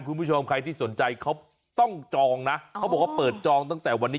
คุณผู้ชมใครที่สนใจเขาต้องจองนะเขาบอกว่าเปิดจองตั้งแต่วันนี้